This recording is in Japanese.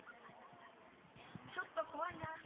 ちょっとこわいな。